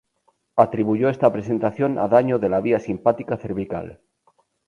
Atribuyó esta presentación a daño de la vía simpática cervical.